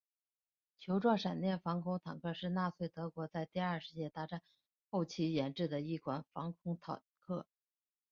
球状闪电防空坦克是纳粹德国在第二次世界大战后期研制的一款防空坦克。